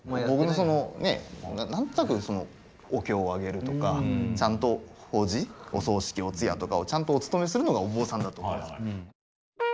何となくお経をあげるとかちゃんと法事お葬式・お通夜とかをちゃんとお務めするのがお坊さんだと思うんですよ。